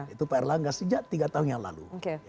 itu pak erlangga sejak tiga tahun yang lalu